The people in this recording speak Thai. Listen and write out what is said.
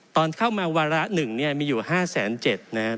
ตอนเข้ามาวาระ๑เนี่ยมีอยู่๕๗๐๐นะครับ